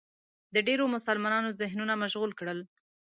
د ډېرو مسلمانانو ذهنونه مشغول کړل